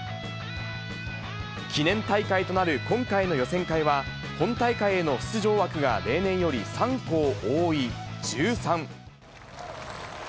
記念大会となる今回の予選会は、本大会への出場枠が例年より３校多い１３。